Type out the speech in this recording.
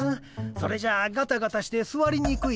それじゃあガタガタしてすわりにくいよねえ。